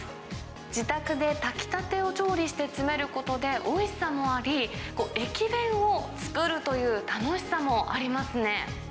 自宅で炊きたてを調理して詰めることで、おいしさもあり、駅弁を作るという楽しさもありますね。